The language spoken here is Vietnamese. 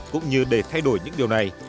cũng như để thay đổi những điều này